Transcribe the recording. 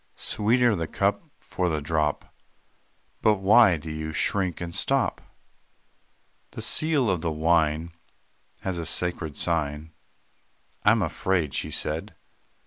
Sweeter the cup for the drop." "But why do you shrink and stop?" "The seal of the wine Has a sacred sign; I am afraid," she said.